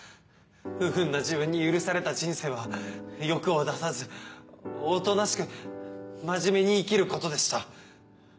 不運な自分に許された人生は欲を出さずおとなしく真面目に生きることでした。